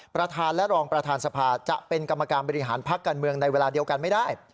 ประธานและรองประธานสภาจะเป็นกรรมการบริหารพักการเมืองในเวลาเดียวกันไม่ได้